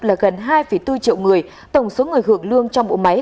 là gần hai bốn triệu người tổng số người hưởng lương trong bộ máy